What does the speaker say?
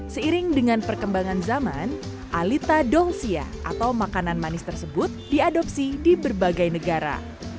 seiring dengan perkembangan zaman alita dongsia atau makanan manis tersebut diadopsi di berbagai negara